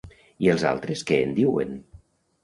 I els altres, què en diuen?